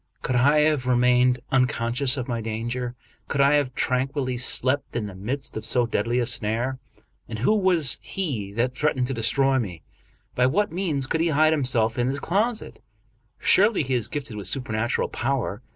Could I have remained un conscious of my danger? Could I have tranquilly slept in the midst of so deadly a snare? And who was he that threatened to destroy me? By what means could he hide himself in this closet? Surely he is gifted with supernatural power.